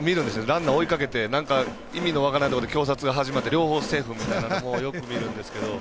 ランナー追いかけて意味の分からないことで挟殺が始まって両方セーフみたいなの見るんですが。